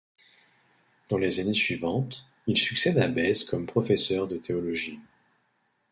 Dans les années suivantes, il succède à Bèze comme professeur de théologie.